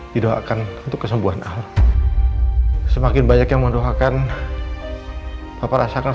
didoakan untuk kesembuhan allah semakin banyak yang mendoakan